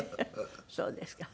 そうですか。